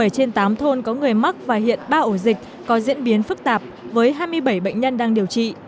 bảy trên tám thôn có người mắc và hiện ba ổ dịch có diễn biến phức tạp với hai mươi bảy bệnh nhân đang điều trị